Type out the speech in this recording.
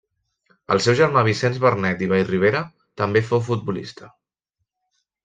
El seu germà Vicenç Barnet i Vallribera també fou futbolista.